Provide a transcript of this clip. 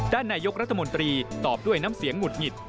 ด้านนายกรัฐมนตรีตอบด้วยน้ำเสียงหงุดหงิด